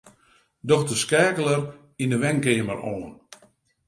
Doch de skeakeler yn 'e wenkeamer oan.